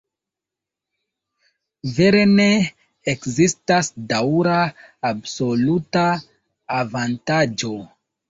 Vere ne ekzistas daŭra absoluta avantaĝo.